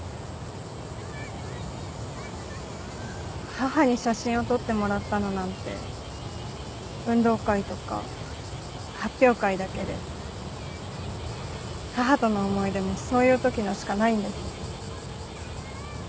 母に写真を撮ってもらったのなんて運動会とか発表会だけで母との思い出もそういうときのしかないんです。